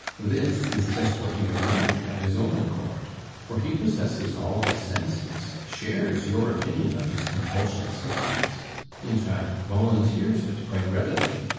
This is just what he would like of his own accord, for he possesses all his senses, shares your opinion of his compulsion symptoms, in fact volunteers it quite readily.